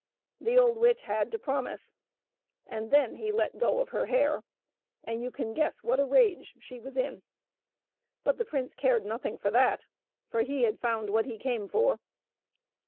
The old witch had to promise. And then he let go of her hair, and you can guess what a rage she was in. But the prince cared nothing for that, for he had found what he came for.